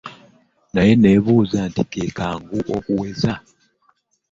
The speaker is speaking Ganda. Naye n'e uuza nti kekangu okuweza?